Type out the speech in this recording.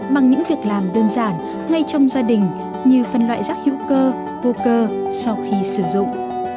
bằng những việc làm đơn giản ngay trong gia đình như phân loại rác hữu cơ vô cơ sau khi sử dụng